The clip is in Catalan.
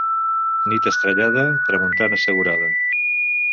Nit estrellada, tramuntana assegurada.